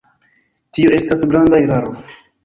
Tio estas granda eraro.